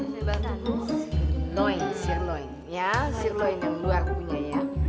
sebatas sirloin sirloin ya sirloin yang luar punya ya